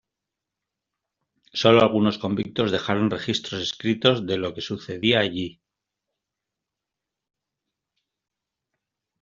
Solo algunos convictos dejaron registros escritos de lo que sucedía allí.